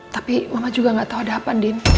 tapi mama juga gak tahu ada apa din